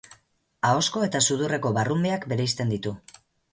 Ahozko eta sudurreko barrunbeak bereizten ditu.